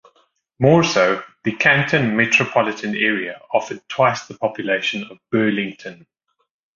More so, the Canton metropolitan area offered twice the population of Burlington.